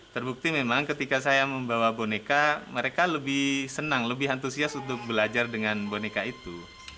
terbukti memang ketika saya membawa boneka mereka lebih senang lebih antusias untuk belajar dengan boneka itu